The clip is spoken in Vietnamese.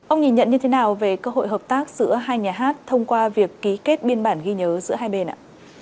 ông nhìn nhận như thế nào về cơ hội hợp tác giữa hai nhà hát thông qua việc ký kết biên bản ghi nhớ giữa hai bên ạ